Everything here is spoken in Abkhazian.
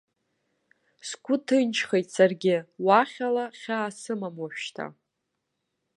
Сгәы ҭынчхеит саргьы, уахьала хьаа сымам уажәшьҭа.